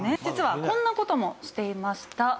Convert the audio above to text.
実はこんな事もしていました。